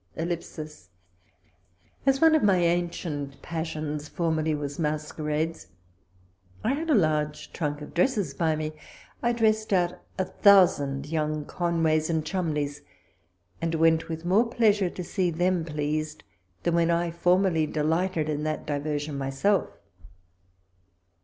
••.• As one of my ancient passions, formerly was Masquerades, I had a large trunk of dresses by me. I dressed out a thousand young Conways and Cholmondeleys, and went with more pleasure to see them pleased than when I for merly delighted in that diversion myself.